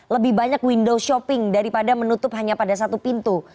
lebih banyak window shopping daripada menutup hanya pada satu pintu